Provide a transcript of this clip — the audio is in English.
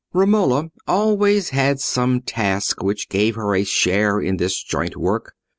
Romola always had some task which gave her a share in this joint work.